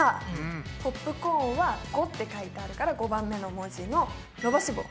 ポップコーンは⑤って書いてあるから５番目の文字の伸ばし棒。